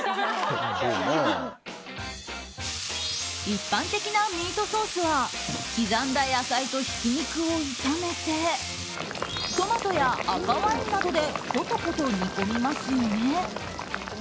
一般的なミートソースは刻んだ野菜とひき肉を炒めてトマトや赤ワインなどでコトコト煮込みますよね。